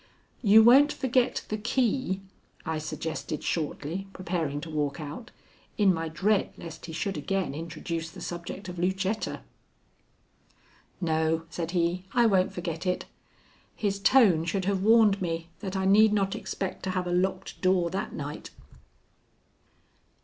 "You won't forget the key?" I suggested shortly, preparing to walk out, in my dread lest he should again introduce the subject of Lucetta. "No," said he, "I won't forget it." His tone should have warned me that I need not expect to have a locked door that night.